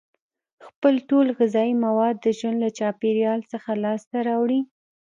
خپل ټول غذایي مواد د ژوند له چاپیریال څخه لاس ته راوړي.